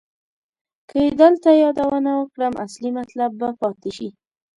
که یې دلته یادونه وکړم اصلي مطلب به پاتې شي.